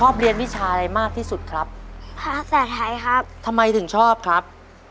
เพราะภาษาไทยเรียนง่าย